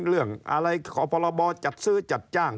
เรื่องอะไรขอพรบจัดซื้อจัดจ้าง